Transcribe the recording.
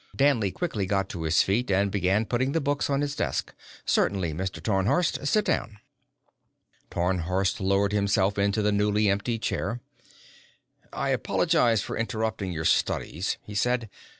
Danley quickly got to his feet and began putting the books on his desk. "Certainly, Mr. Tarnhorst. Sit down." Tarnhorst lowered himself into the newly emptied chair. "I apologize for interrupting your studies," he said.